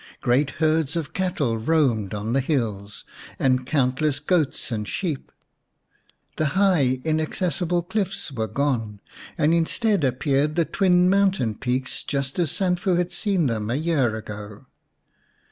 Great herds of cattle roamed on the hills, and countless goats and sheep. The high, inaccessible cliffs were gone, and instead appeared the twin mountain peaks just as Sanfu had seen them a year ago.